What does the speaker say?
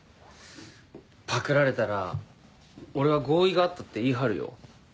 パクられたら俺は合意があったって言い張るよ。